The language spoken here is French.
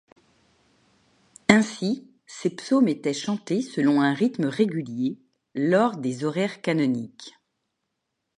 Ainsi, ces psaumes étaient chantés selon un rythme régulier, lors des horaires canoniques.